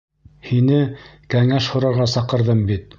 Һине кәңәш һорарға саҡырҙым бит.